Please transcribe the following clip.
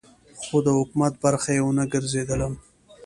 خو د حکومت برخه یې ونه ګرځېدلم.